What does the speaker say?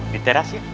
di teras ya